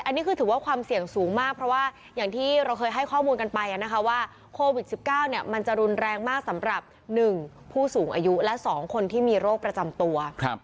อันนี้คือถือว่าความเสี่ยงสูงมากเพราะว่าอย่างที่เราเคยให้ข้อมูลกันไปนะคะว่าโควิด๑๙มันจะรุนแรงมากสำหรับ๑ผู้สูงอายุและ๒คนที่มีโรคประจำตัว